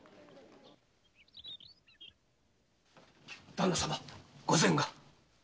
旦那様御前が！